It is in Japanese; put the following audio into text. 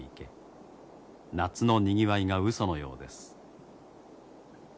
夏のにぎわいがうそのようです。